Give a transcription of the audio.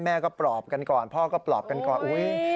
แม่ก็ปลอบกันก่อนพ่อก็ปลอบกันก่อนอุ๊ย